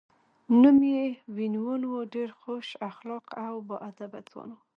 نوم یې وین وون و، ډېر خوش اخلاقه او با ادبه ځوان و.